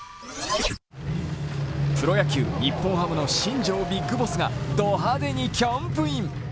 プロ野球、日本ハムの新庄ビッグボスがド派手にキャンプイン。